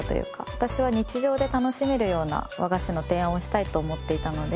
私は日常で楽しめるような和菓子の提案をしたいと思っていたので。